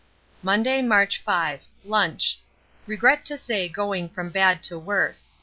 Monday, March 5. Lunch. Regret to say going from bad to worse.